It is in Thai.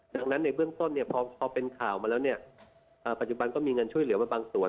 ดังนั้นในเบื้องต้นพอเป็นข่าวมาแล้วเนี่ยปัจจุบันก็มีเงินช่วยเหลือมาบางส่วน